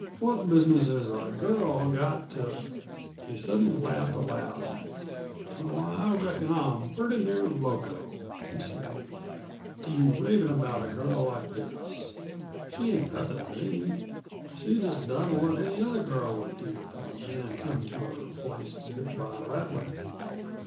What business has a girl got to " He suddenly laughed aloud. "Why I reckon I'm pretty near loco," he said, "to be ravin' about a girl like this. She ain't nothin' to me; she just done what any other girl would do if a man come to her place bit by a rattler."